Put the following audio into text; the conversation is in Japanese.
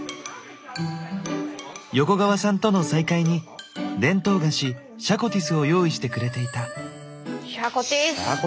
横川さんとの再会に伝統菓子シャコティスを用意してくれていた。